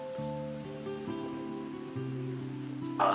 あ！